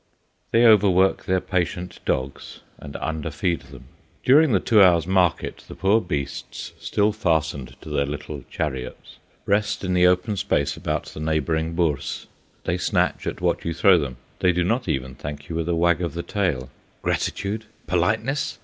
They overwork their patient dogs, and underfeed them. During the two hours' market the poor beasts, still fastened to their little "chariots," rest in the open space about the neighbouring Bourse. They snatch at what you throw them; they do not even thank you with a wag of the tail. Gratitude! Politeness!